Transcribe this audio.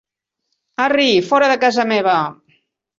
Arri, fora de casa meva!